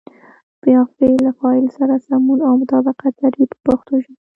یا فعل له فاعل سره سمون او مطابقت لري په پښتو ژبه.